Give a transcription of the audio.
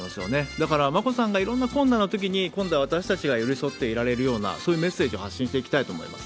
だから、眞子さまがいろんな困難なときに、今度は私たちが寄り添っていられるような、そういうメッセージを発信していきたいと思います。